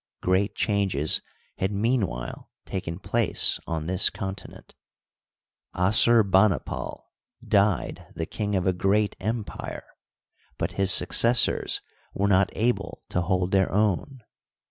Great changes had meanwhile taken place on this continent. Assurbani^ pal died the king of a ^eat empire, but his successors were not able to hold their own.